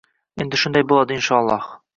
Endi shunday bo'ladi, inshooloh.